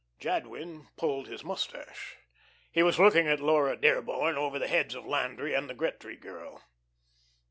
Jadwin pulled his mustache. He was looking at Laura Dearborn over the heads of Landry and the Gretry girl.